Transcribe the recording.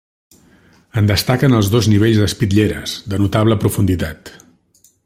En destaquen els dos nivells d'espitlleres, de notable profunditat.